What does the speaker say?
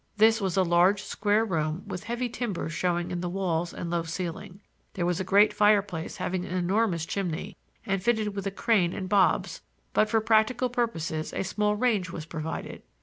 This was a large square room with heavy timbers showing in the walls and low ceiling. There was a great fireplace having an enormous chimney and fitted with a crane and bobs, but for practical purposes a small range was provided.